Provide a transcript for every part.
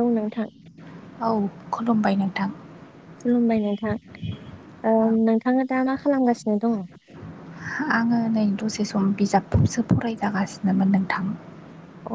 औ नोंथां औ खुलुमबाय नोंथां खुलुमबाय नोंथां औ नोंथाङा दा मा खालामगासिनो दङ'? आङो नै दसे सम बिजाबखौसो फरायजागासिनोमोन नोंथां अ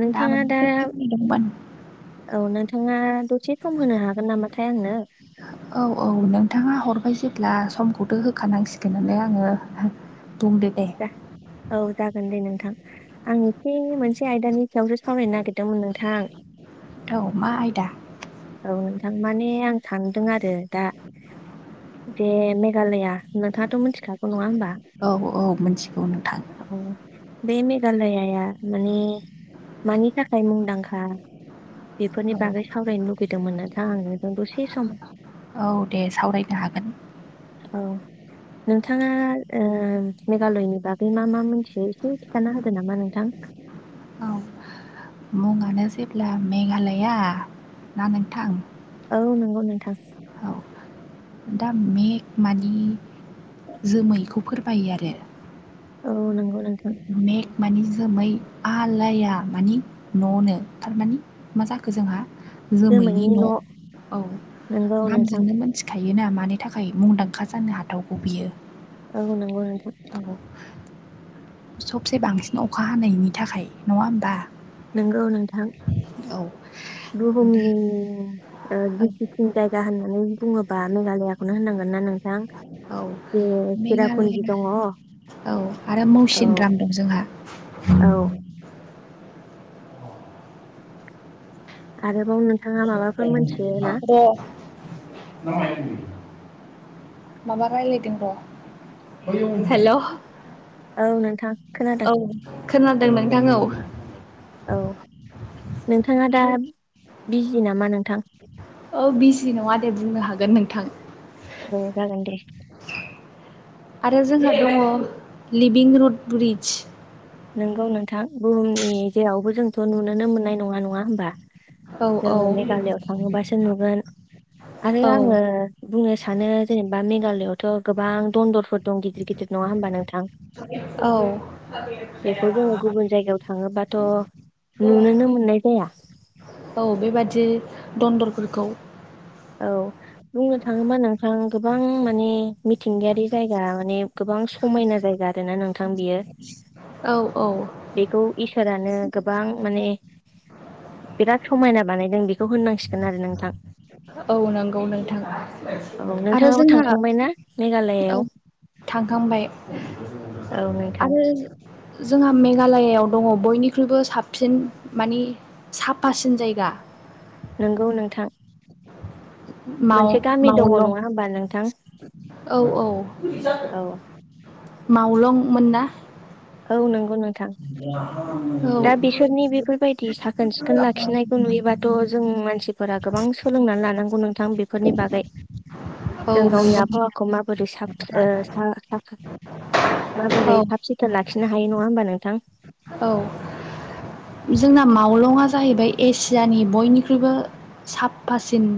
नोंथाङा दा माबाफोर खामानि दंमोन औ नोंथाङा सम होनो हागोन नामाथाय आंनो? औ औ नोंथाङा हर ओमफ्राय जेब्ला समखौथ' होखानांसिगोन होननानै आङो बुंदो दे जा औ जागोन दे नोंथां आं एसे मोनसे आयदानि सायावसो सावरायनो नागिरदोंमोन नोंथां औ मा आयदा औ नोंथां माने आं सानदों आरो दा बे मेघालया नोंथाङाथ' मिथिखागौ नङा होमबा औ औ मिथिगौ नोंथां औ बे मेघालायाया माने मानि थाखाय मुंदांखा बेफोरनि बागै सावरायनो लुगैदोंमोन नोंथा आं नों दसे सम औ दे सावरायनो हागोन औ नोंथाङा ओ मेघालयनि बागै मा मा मिथियो एसे खिनथाना होदो नामा नोंथां [unintelligible] औ औ जेब्ला मेघालया ना नोंथां औ नंगौ नोंथां औ दा मेग मानि जोमैखौ फोरमायो आरो औ नंगौ नोंथौ मेग मानि जोमै आलाया मानि न'नो थारमानि मा जाखो जोंहा जोमैनि न' औ नंगौ नोंथां नामजोंनो मिथिखायो बियोना मानि थाखाय मुंदांखा जानो हाथावगौ बियो औ नंगौ नोंथां औ सबसे बांसिन अखा हानायनि थाखाय नङा होमबा नंगौ नोंथां औ दा बुहुमनि औ गिसिसिन जायगा होननानै बुङोबा मेघालयाखौनो होनांगोन। ना नोंथां औ उम सेरापुन्जि मेघालया दङ। औ आरो मौसिन दाम दं जोंहा। औ आरो बाव नों [unintelligible] माबा रायज्लायदों र' हेलौ औ नोंथां खोनादों औ खोनादों नोंथां औ औ नोंथाङा दा आरो बिजि नामा नोंथां? औ बिजि नङा दे बुंनो हागोन नोंथां। औ जागोन दे। आरो जोंहा दङ लिभिं रुड ब्रिज नोंगौ नोंथां बुहुमनि जेरावबो जोंथ' नुुनोनो मोननाय नङा नङा होमबा? औ औ जोङो मेघालआव थाङोबासो नुगोन। आरो औ आङो बुंनो सानो जेनेबा मेघालयआवथ' गोबां दनदरफोर दं गिदिर गिदिर नङा होमबा नोंथां? औ बेखौ जोङो गुबुन जायगायाव थाङोबाथ' नुनोनो मोननाय जाया। औ बेबादि दनदरफोरखौ औ बुंनो थाङोबा नोंथां गोबां माने मिथिंगायारि जायगा माने गोबां समायना जायगा आरोना नोंथां बियो औ औ बेखौ इसोरानो गोबां माने बिराद समायना बानायदों बेखौ होननांसिगोन आरो नोंथां। औ नंगौ नोंथां आरो जोंहा औ मेघालयाव थांखांबाय नोंथां आरो जोंहा मेघालयाव दंङो बयनिख्रुइबो साबसिन माने साफासिन जायगा। नोंगौ नोंथां माव मोनसे गामि दङ मावलं नङा होमबा नोंथां औ औ औ मावलंमोन ना औ नंगौ नोंथां [unintelligible] औ दा बिसोरनि बेफोरबायदि साखोन सिखोन लाखिनायखौ नुयोबाथ' जों मानसिफोरा गोबां गोबां सोलोंनानै लानांगौ नोंथां बेफोरनि बागै औ जों गावनि नंगौ आबहावाखौ माबोरै साब ओ साब औ माबोरै साफ सिथोन लाखिनो हायो नङा होमबानो औ जोंना मावलंङा जाहैबाय एसियानि बयनिख्रुइबो साफासिन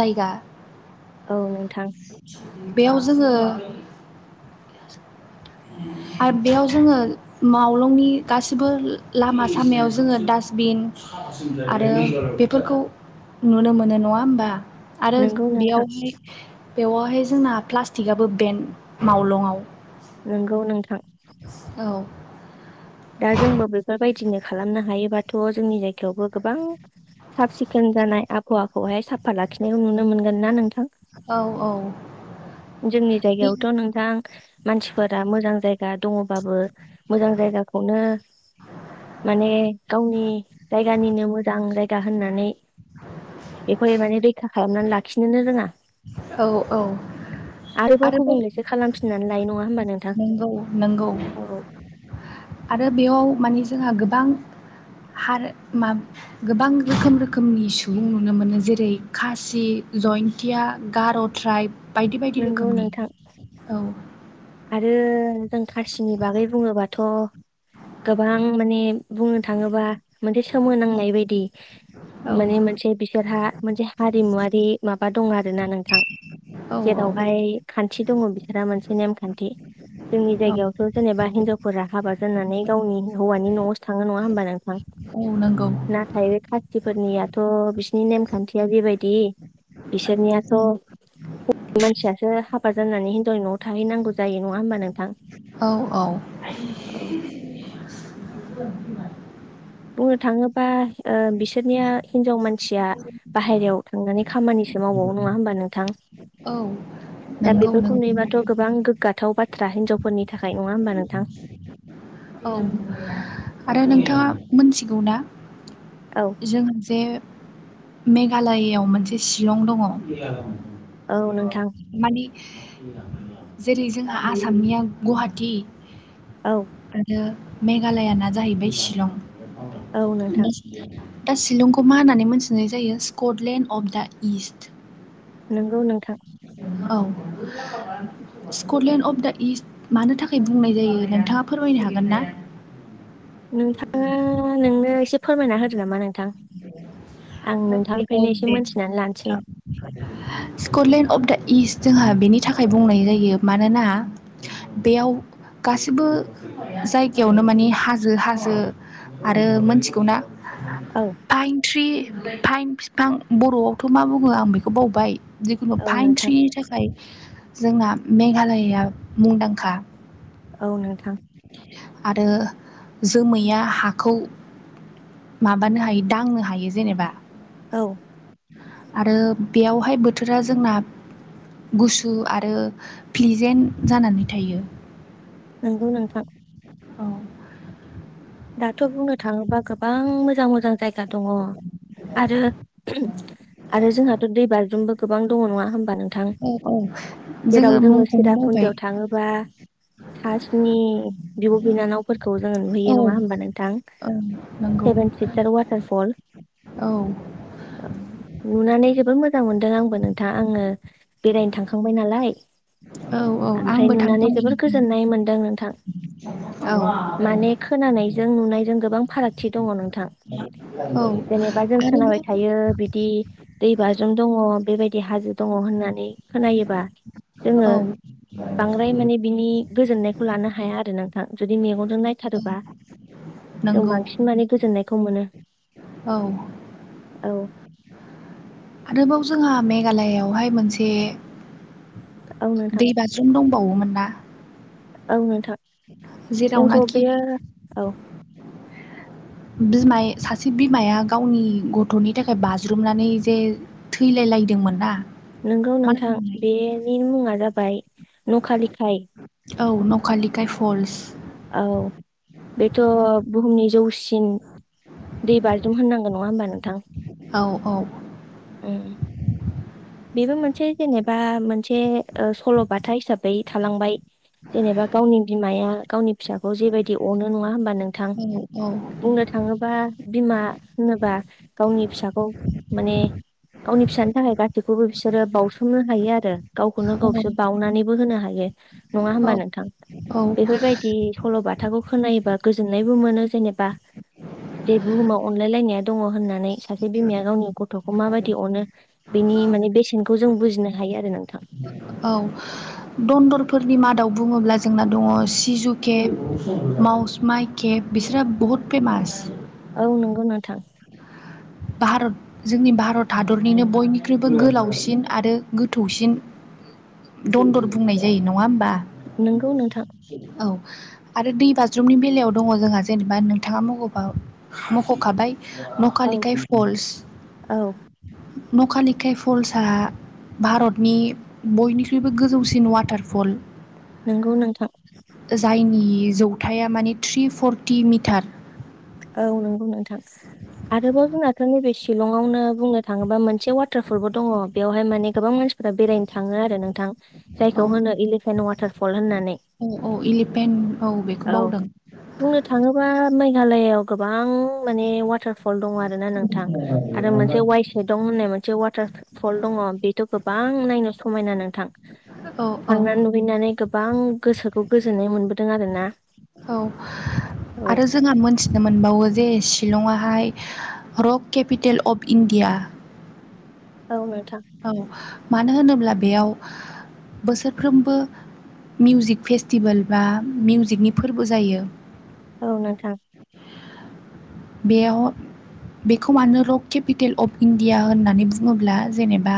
जायगा औ नोंथां बेयाव जोंङो आरो बेयाव जोंङो मावलंनि गासैबो लामा सामायाव जोंङो डास्टबिन आरो बेफोरखौ नुनो मोनो नंङा होमबा। आरो नंगौ नोंथां बेयावहाय बेवहाय जोंना प्लास्टिकआबो बेन मावलंआव। नंगौ नोंथां औ दा जोंबो बेफोरबायदिनो खालामनो हायोबाथ' जोंनि जायगायावबो गोबां साफ सिखोन जानाय आबहावाखौहाय साफा लाखिनायखौ नुनो मोनगोन ना नोंथां औ औ जोंनि जायगायावथ' नोंथां मानसिफोरा मोजां जायगा दङबाबो मोजां जायगाखौनो माने गावनि जायगानिनो मोजां जायगा होननानै बेखौहाय माने रैखा खालामनानै लाखिनोनो रोङा औ औ आरोबाव गुबुंलेसो खालामफिननानै लायो नङा होमबा नोंथां नंगौ नंगौ औ आरो बेयाव माने जोंहा गोबां हार मा गोबां रोखोम रोखोमनि सुबुं नुनो मोनो जेरै खासि जयन्त्या गार'ट्राइब बायदि बायदि नंगौ रोखोमनि नोंथां औ आरो जों खासिनि बागै बुङोबाथ' गोबां माने बुंनो थाङोबा मोनसे सोमोनांनाय बायदि औ माने मोनसे बिसोरहा मोनसे हारिमुवारि माबा दं आरो ना नोंथां औ जेरावहाय खान्थि दङो बिसोरा मोनसे नेमखान्थि जोंनि औ जायगायावथ' जेनेबा हिनजावफोरा हाबा जनानै गावनि हौवानि न'आवसो थाङो नङा होमबा नोंथां औ नंगौ नाथाय बे खाथिफोरनियाथ' बिसिनि नेमखान्थिया जिेबायदि बिसोरनियाथ' हौवा मानसियासो हाबा जानानै हिनजावनि न'आव थाहैनांगौ जायो नङा होमबा नोंथां औ औ औ बुंनो थाङोबा बिसोरनिया हिनजाव मानसिया बाहेरायाव थांनानै खामानि एसे मावबावौ नङा होनोमबा नोंथां औ दा बे नंगौ बेखौ नुयोबाथ नंगौ गोबां गोग्गाथाव बाथ्रा हिनजावफोरनि थाखाय नङा होमबा नोंथां औ आरो औ नोंथाङा मोनथिगौ ना औ जों जे मेघालयआव मोनसे शिलं दङ औ नोंथां माने जेरै जोंहा आसामनिया गुवाहाटी औ आरो मेघालयाना जाहैबाय शिलं औ नोंथां [unintelligible] दा शिलंखौ मा होननानै मोनथिनाय जायो स्कटलेण्ड अफ दा इस्ट नोंगौ नोंथां औ स्कटलेण्ड अफ दा इस्ट मानो थाखाय बुंनाय जायो नोंथाङा फोरमायनो हागोन ना नोंथाङा नोंनो एसे फोरमायना होदो नामा नोंथां आं औ नोंथांनिफ्रायनो एसे दे मोनथिनानै लानोसै स्कटलेण्ड अफ दा इस्ट जोंहा बेनि थाखाय बुंनाय जायो मानोना बेयाव गासिबो जायगायावनो माने हाजो हाजो आरो मोनथिगौ ना औ फाइन थ्रि फाइन बिफां बर'आवथ मा बुङो आं बेखौ बावबाय जिखुनु औ फाइन नोंथां थ्रिनि थाखाय जोंना मेघालयआ मुंदांखा औ नोंथां आरो जोमैया हाखौ माबानो हायो दांनो हायो जेनेबा औ आरो बेयावहाय बोथोरा जोंना गुसु आरो प्लिजेन्ट जानानै थायो नंगौ नोंथां औ दाथ' बुंनो थाङोबा गोबां मोजां मोजां जायगा दङ आरो ओम आरो जोंहाथ दै बाज्रुमबो गोबां दङ नङा होमबा नोंथां औ औ जेराव जोङो मुंखौनो बावबाय सिराफुनजियाव थाङोबा सासिनि बिब' बिनानावफोरखौ जोङो औ नुहैयो नङा होमबा नोंथां औ नंगौ सेेभेन सिस्टार वाथार फल औ औ नुनानै जोबोद मोजां मोनदों आंबो नोंथां आङो बेरायनो थांखांबाय नालाय औ औ ओमफ्राय आंबो नुनानै थांखांबाय जबोर नोंथां गोजोननाय मोनदों नोंथां औ माने खोनानायजों नुनायजों गोबां फारागथि दङ नों थां औ जेनेबा जों खोनाबाय आरोबाव थायो बिदि दै बाज्रुम दङ बेबायदि हाजो दङ होननानै खोनायोबा जोङो औ बांद्राय माने बिनि गोजोननायखौ लानो हाया आरो नोंथां जुदि मेगनजों औ नायथारोबा जों नंगौ बांसिन माने गोजोननायखौ मोनो औ औ आरोबाव जोंहा मेघालयआवहाय मोनसे औ नोंथां दै बाज्रुम दंबावोमोन ना औ नोंथां जोंखौ जेरावनाखि बेयो औ बिमाय सासे बिमाया गावनि गथ'नि थाखाय बाज्रुमनानै जे थैलाय लायदोंमोन ना नोंगौ मा नोंथां होनोमोनलाय बेनि मुङा जाबाय नकालिखाय औ नकलिकाय फल्स औ बेथ बुहुमनि जौसिन ओम बेबायदिनो होननांगोन नङा ओमबा नोंथां औ औ ओम बेबो मोनसे जेनेबा मोनसे ओ सल'बाथा हिसाबै थालांबाय जेनेबा गावनि बिमाया गावनि फिसाखौ जेबायदि अनो नङा ओमबा नोंथां औ औ बुंनो थाङोबा बिमा होनोबा गावनि फिसाखौ माने गावनि फिसानि थाखाय गा बेखौबो बिसोरो बावसोमनो हायो आरो गावखौनो गावसो बिसो बावनानैबो होनो हायो नङा ओमबा औ नोंथां। औ बेफोरबायदि सल' बा थाखौ खोनायोबा गोजोननायबो मोनो जेनेबा जे बुहुमाव अनलायलायनाया दङ होनना। सासे बिमाया गावनि गथ'खौ मा बायदि अनो बेनि माने बेसेनखौ जों बुजिनो हायो आरो नोंथां [inaudible] औ दन्दरफोरनि मादाव बुङोब्ला जोंना दङ सिजु केे माव मावस माइके बिसोरो बुहुत फेमास औ नंगौ नोंथां भारत जोंनि भारत हादरनिनो बयनिख्रुइबो गोलावसिन आरो गोथौसिन दन्दर बुंनाय जायो नङा ओमबा नंगौ नोंथां औ आरो दै बाज्रुमनि बेलायाव दङ जोंहा जेनेबा नोंथाङा मख' मख'खाबाय औ नकालिकाय फल्स औ नकालिकाय फल्स आ भारतनि बयनिख्रुइबो गोजौसिन वाटारफल नंगौ नोंथां नि जौथाया माने थ्रि फर्टि मिटार औ नंगौ नोंथां आरोबाव जोंनाथ' नैबे शिलंआवनो बुंनो थाङोबा मो नसे वाटारफलबो दङ बेवहाय माने गोबां मानसिफोरा बेरायनो थाङो आरो नोंथां जायखौ औ होनो इलिफेन वाटारफल होननानै औ औ इलिफेन्ट बेखौ औ बावदों बुंनो थाङोबा मै मेघालयाव गोबां माने वाटार फल दङ आरोना नोंथां आरो मोनसे वाइसेदं होननाय मोनसे वाटार फल दङ बेथ' गोबां नायनो समायना नोंथां औ औ थांनानै नुहैनानै गोबां गोसोखौ गोजोननाय मोनबोदों आरो ना। औ आरो जोंङा मोनथिनो मोनबावो जे शिलंहाय रक केपिटेल अफ इण्डिया औ [unintelligible] औ मानो होनोब्ला बेयाव बोसोरफ्रोमबो मिउजिक फेस्टिबोल बा मिउजिकनि फोरबो जायो। औ नोंथां बेयाव बेखौ मानो रक केपिटेल अफ इण्डिया होननानै बुङोब्ला जेनेबा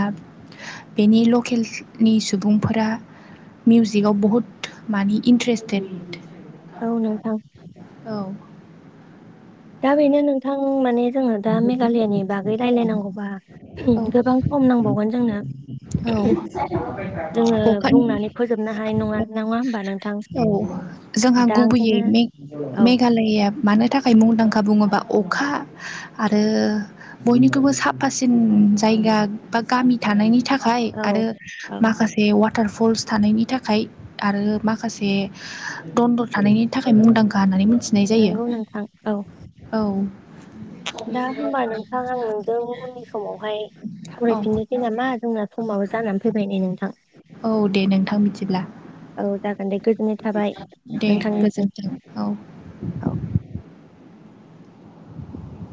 बेनि लकेलनि सुबुंफोरा मिउजिकआव बुहुत माने इन्ट्रेसटेड। औ नोंथां दा बेनो नोंथां माने जोङो दा मेघालयानि बागै रायलायनांगौबा औ गोबां सम नांबावगोन जोंनो। जोङो औ अखानि बुंनानै फोजोबनो हानाय नङा नङा ओमबा नोंथां? औ जोंहा दा गुबैयै ओंखायनो मेघ औ मेघालया मानो थाखाय मुंदां खा बुङोबा अखा आरो बयनिखुबो साफासिन जायगा बा गामि थानायनि था खाय औ आरो औ माखासे वा टारफल्स थानायनि थाखाय आरो माखासे दन्दर थानायनि थाखाय मुंदांखा होननानै मि थिनाय जायो नंगौ नोंथां औ औ। दा होमबा नोंथां आं नोंजों उननि समावहाय औ सावरायफिननोसै नामा जोंना समाबो औ जानानै फैबाय नै नोंथां। औ दे नोंथां मिथिब्ला। औ जागोन दे गोजोननाय थाबाय दे नोंथांनिसिम गोजोन्थों औ औ [inaudible] [inaudible]